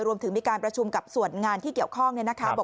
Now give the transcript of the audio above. รวมถึงมีการประชุมกับส่วนงานที่เกี่ยวข้อง